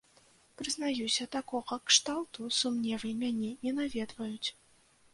Прызнаюся, такога кшталту сумневы мяне не наведваюць.